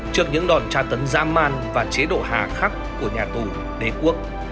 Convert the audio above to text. trước những đòn tra tấn dã man và chế độ hạ khắc của nhà tù đế quốc